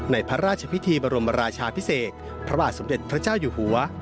พระราชพิธีบรมราชาพิเศษพระบาทสมเด็จพระเจ้าอยู่หัว